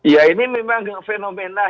ya ini memang fenomena